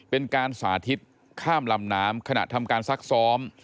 เป็นการสาธิตข้ามลำน้ำขณะทำการซักซ้อม